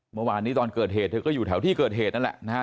เมื่อวานนี้ตอนเกิดเหตุเธอก็อยู่แถวที่เกิดเหตุนั่นแหละนะฮะ